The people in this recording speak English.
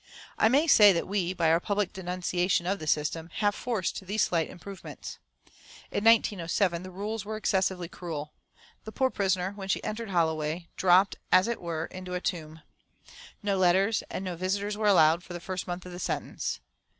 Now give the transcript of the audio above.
I may say that we, by our public denunciation of the system, have forced these slight improvements. In 1907 the rules were excessively cruel. The poor prisoner, when she entered Holloway, dropped, as it were, into a tomb. No letters and no visitors were allowed for the first month of the sentence.